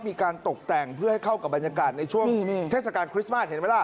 มีการตกแต่งเพื่อให้เข้ากับบรรยากาศในช่วงเทศกาลคริสต์มาสเห็นไหมล่ะ